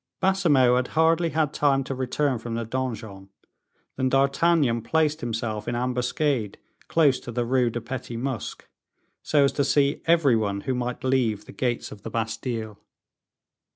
Baisemeaux had hardly had time to return from the donjon, than D'Artagnan placed himself in ambuscade close to the Rue de Petit Musc, so as to see every one who might leave the gates of the Bastile.